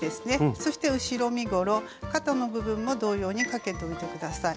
そして後ろ身ごろ肩の部分も同様にかけておいて下さい。